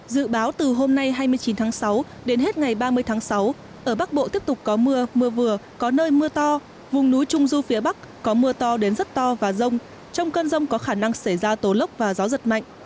dự báo từ hôm nay hai mươi chín tháng sáu đến hết ngày ba mươi tháng sáu ở bắc bộ tiếp tục có mưa mưa vừa có nơi mưa to vùng núi trung du phía bắc có mưa to đến rất to và rông trong cơn rông có khả năng xảy ra tố lốc và gió giật mạnh